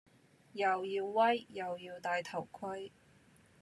又要威，又要帶頭盔